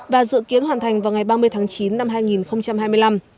và dự kiến hoàn thành vào ngày ba mươi tháng chín năm hai nghìn hai mươi năm